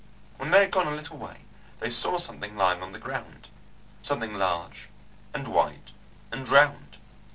When they had gone a little way they saw something lying on the ground. Something large and white and round.